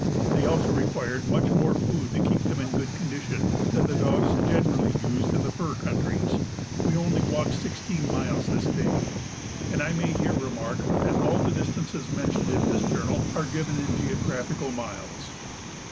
They also required much more food to keep them in good condition, than the dogs generally used in the fur countries. We only walked sixteen miles this day; and I may here remark that all the distances mentioned in this journal are given in geographical miles.